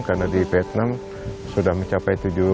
karena di vietnam sudah mencapai